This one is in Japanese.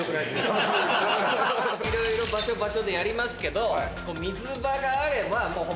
いろいろ場所場所でやりますけど。